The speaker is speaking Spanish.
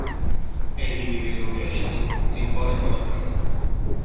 El individuo violento se impone por la fuerza.